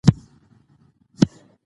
زه هره ورځ ټوکرونه بدلوم.